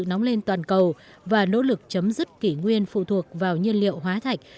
nóng lên toàn cầu và nỗ lực chấm dứt kỷ nguyên phụ thuộc vào nhiên liệu hóa thạch